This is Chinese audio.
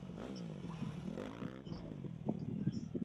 上述一水一地都是商部落活动的区域。